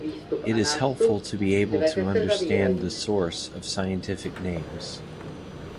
It is helpful to be able to understand the source of scientific names.